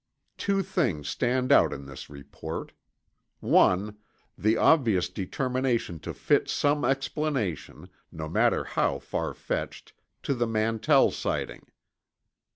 Two things stand out in his report: 1. The obvious determination to fit some explanation, no matter how farfetched, to the Mantell sighting.